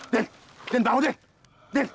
pandal banget su